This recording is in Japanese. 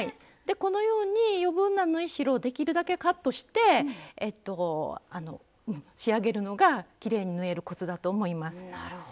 このように余分な縫い代をできるだけカットして仕上げるのがきれいに縫えるコツだと思います。